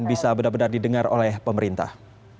bisa benar benar didengar oleh pemerintah